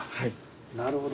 なるほど。